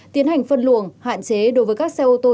tiến hành phân luồng hạn chế đối với các xe ô tô